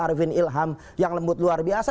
arifin ilham yang lembut luar biasa